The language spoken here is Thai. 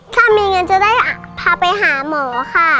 ถ้ามีเงินจะได้พาไปหาหมอค่ะ